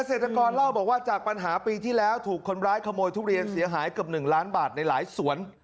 เศรษฐกรเล่าบอกว่าจากปัญหาปีที่แล้วถูกคนร้ายขโมยทุเรียนเสียหายเกือบ๑ล้านบาทในหลายสวน